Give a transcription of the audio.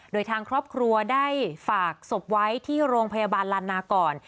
โดยทางครอบครัวได้ฝากศพไว้ที่โรงพยาบาลลานาก่อน